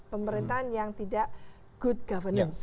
pemerintahan yang tidak good governance